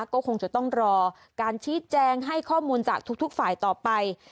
ก็คงจะต้องรอการชี้แจงให้ข้อมูลจากทุกฝ่ายต่อไป